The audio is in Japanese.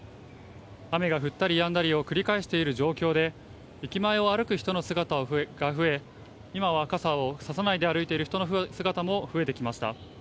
雨が降ったりやんだりを繰り返している状況で、駅前を歩く人の姿が増え、今は傘を差さないで歩いている人の姿も増えてきました。